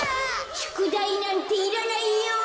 「しゅくだいなんていらないよ！」。